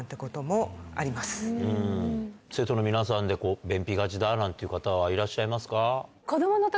生徒の皆さんで便秘がちだなんていう方はいらっしゃいますか？